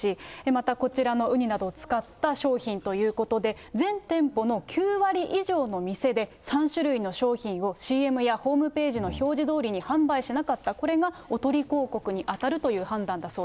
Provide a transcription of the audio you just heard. またこちらのウニなどを使った商品ということで、全店舗の９割以上の店で３種類の商品をＣＭやホームページの表示どおりに販売しなかった、これがおとり広告に当たるという判断だ